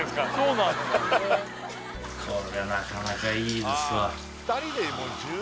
こりゃなかなかいいですわ